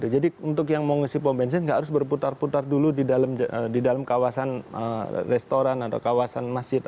jadi untuk yang mau ngisi pom bensin gak harus berputar putar dulu di dalam kawasan restoran atau kawasan masjid